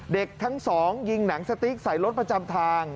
เด็กทั้งสองยิงหนังสติ๊กใส่รถประจำทาง